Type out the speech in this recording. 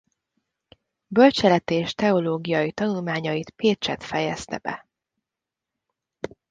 Bölcseleti és teológiai tanulmányait Pécsett fejezte be.